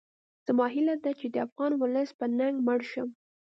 زما هیله ده چې د افغان ولس په ننګ مړ شم